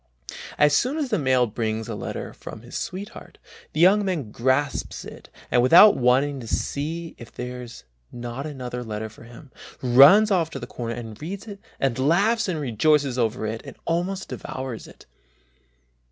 As soon as the mail brings a letter from his sweetheart, the young man grasps it and without waiting to see if there is not another letter for him, runs off to a corner and reads and laughs and rejoices over it and almost devours it.